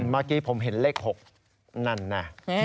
เมื่อกี้ผมเห็นเลข๖นั่นนะ